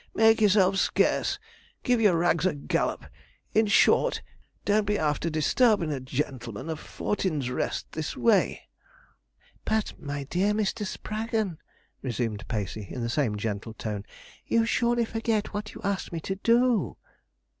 make yourself scarce! give your rags a gallop, in short! don't be after disturbin' a gen'leman of fortin's rest in this way.' 'But, my dear Mr. Spraggon,' resumed Pacey, in the same gentle tone, 'you surely forget what you asked me to do.'